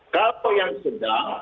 kalau yang sedang